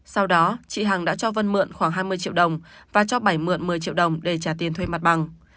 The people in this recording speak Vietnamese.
sau đó chị hằng đã cho vân mượn khoảng hai mươi triệu đồng và cho bảy mượn một mươi triệu đồng để trả tiền thuê mặt bằng